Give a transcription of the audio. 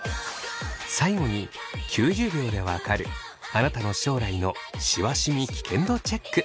最後に９０秒で分かるあなたの将来のシワシミ危険度チェック。